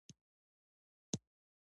زه ژرندې ته غنم وړم.